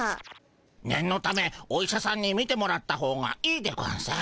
ねんのためお医者さんにみてもらったほうがいいでゴンス。